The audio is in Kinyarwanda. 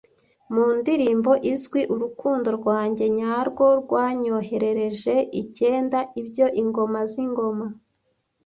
Mu ndirimbo izwi urukundo rwanjye nyarwo rwanyoherereje icyenda ibyo Ingoma zingoma